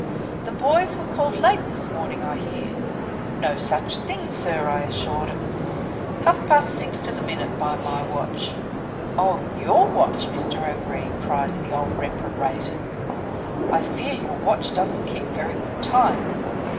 'The boys were called late this morning, I hear.' 'No such thing, sir,' I assure 'um. 'Half past six to the minute, by my watch.' 'Oh, your watch, Mr. O'Gree,' cries the old reprobate. 'I fear your watch doesn't keep very good time.'